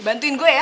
bantuin gue ya